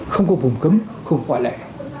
không có bùng cấm không có quả lệ